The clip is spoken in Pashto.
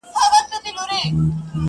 خدایه مینه د قلم ورکي په زړو کي,